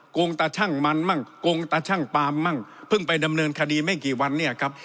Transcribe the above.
งตาชั่งมันมั่งโกงตาชั่งปามมั่งเพิ่งไปดำเนินคดีไม่กี่วันเนี่ยครับ